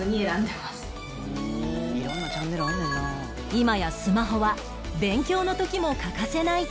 今やスマホは勉強の時も欠かせないツール